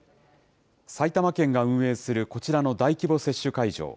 埼玉県が運営するこちらの大規模接種会場。